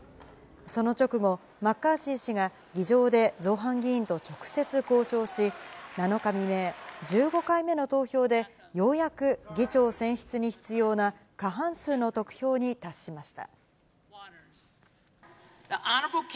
その直後、マッカーシー氏が議場で造反議員と直接交渉し、７日未明、１５回目の投票で、ようやく議長選出に必要な過半数の得票に達しました。